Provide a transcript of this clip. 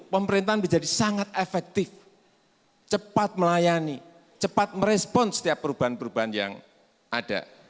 pemerintahan menjadi sangat efektif cepat melayani cepat merespon setiap perubahan perubahan yang ada